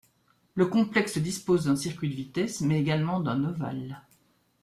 Le complexe dispose d'un circuit de vitesse, mais également d'un ovale.